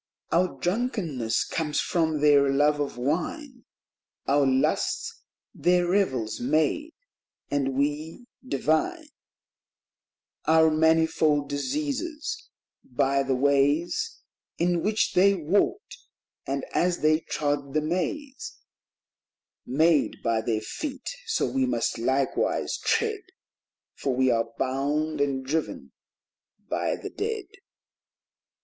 " Our drunkenness comes from their love of wine ; Our lusts their revels made ; and we divine Our manifold diseases by the ways In which they walked; and as they trod the maze Made by their feet, so we must likewise tread, For we are bound and driven by the dead."